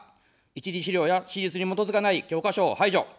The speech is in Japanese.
一次史料や史実に基づかない教科書を排除。